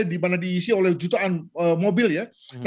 di mana diisi oleh jutaan mobil ya